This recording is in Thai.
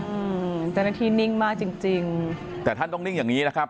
อืมเจ้าหน้าที่นิ่งมากจริงจริงแต่ท่านต้องนิ่งอย่างงี้นะครับ